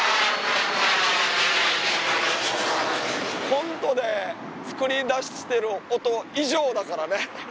コントで作り出してる音以上だからね。